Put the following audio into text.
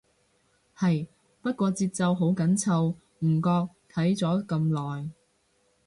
係，不過節奏好緊湊，唔覺睇咗咁耐